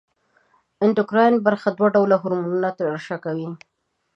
اندوکراین برخه دوه ډوله هورمونونه ترشح کوي.